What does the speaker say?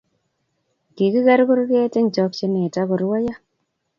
Kigigeer kurget eng chakchinet, agorwoiyoo